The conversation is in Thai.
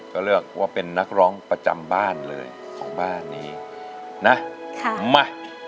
ก็เลือกว่าเป็นนักร้องประจำบ้านเลยของบ้านนี้นะค่ะมา